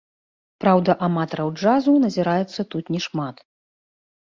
Праўда, аматараў джазу назіраецца тут не шмат.